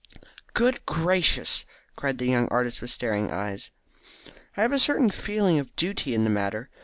"Good gracious!" cried the young artist, with staring eyes. "I have a certain feeling of duty in the matter.